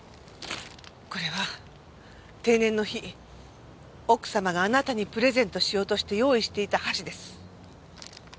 これは定年の日奥様があなたにプレゼントしようとして用意していた箸です。